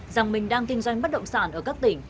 rằng mình đang kinh doanh bất động sản ở các tỉnh